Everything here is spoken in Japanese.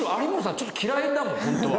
ちょっと嫌いだもんホントは。